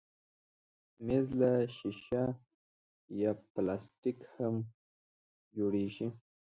مېز له ښيښه یا پلاستیک هم جوړېږي.